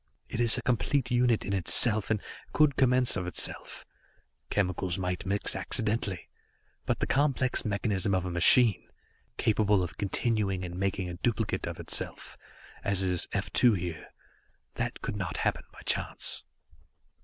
It is a complete unit in itself and could commence of itself. Chemicals might mix accidentally, but the complex mechanism of a machine, capable of continuing and making a duplicate of itself, as is F 2 here that could not happen by chance.